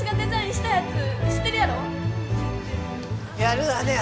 やるわね